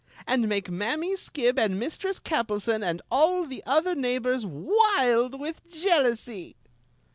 And make Mammy Skib and Mistress Kappleson and all the other neighbors wild with jealousy